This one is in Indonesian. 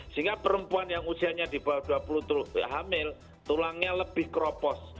sehingga perempuan yang usianya di bawah dua puluh hamil tulangnya lebih keropos